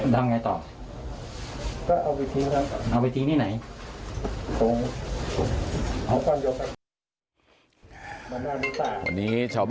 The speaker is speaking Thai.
ไหมไม่ไม่ไหมหมดครับ